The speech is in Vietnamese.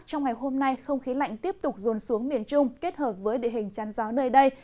trong ngày hôm nay không khí lạnh tiếp tục dồn xuống miền trung kết hợp với địa hình chăn gió nơi đây